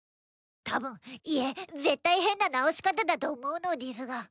たぶんいえ絶対変な治し方だと思うのでぃすが。